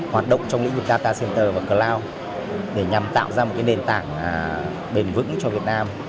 hoạt động trong lĩnh vực data center và cloud để nhằm tạo ra một nền tảng bền vững cho việt nam